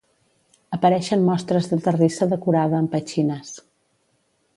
Apareixen mostres de terrissa decorada amb petxines.